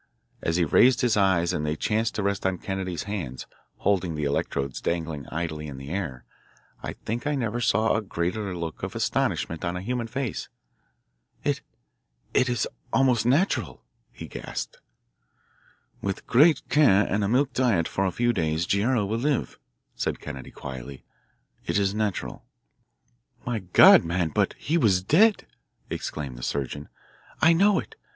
As he raised his eyes and they chanced to rest on Kennedy's hands, holding the electrodes dangling idly in the air, I think I never saw a greater look of astonishment on a human face. "It is almost natural," he gasped. "With great care and a milk diet for a few days Guerrero will live," said Kennedy quietly. "It is natural." "My God, man, but he was dead!" exclaimed the surgeon. "I know it.